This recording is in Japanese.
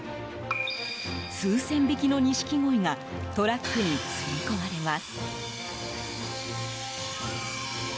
数千匹のニシキゴイがトラックに積み込まれます。